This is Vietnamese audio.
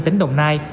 tỉnh đồng nai